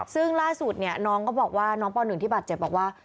ซึ่งล่าสุดน้องก็บอกว่าน้องปหนึ่งที่บาดเจ็บบอกว่า